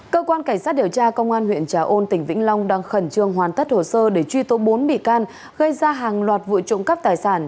cơ quan cảnh sát điều tra công an huyện trà ôn tỉnh vĩnh long đang khẩn trương hoàn tất hồ sơ để truy tố bốn bị can gây ra hàng loạt vụ trộm cắp tài sản